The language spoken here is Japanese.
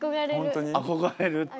憧れるって。